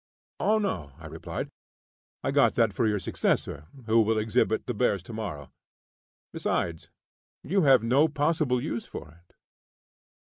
"Oh no," I replied. "I got that for your successor, who will exhibit the bears to morrow; besides, you have no possible use for it."